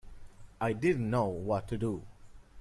I didn't know what to do.